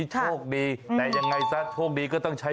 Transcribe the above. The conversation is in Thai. ใช่เลยค่ะ